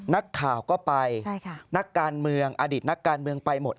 นักข่าวก็ไปนักการเมืองอดีตนักการเมืองไปหมด